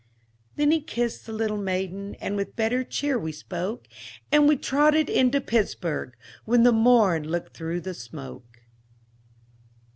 Then he kissed the little maiden, And with better cheer we spoke, And we trotted into Pittsburg, When the morn looked through the smoke.